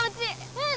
うん！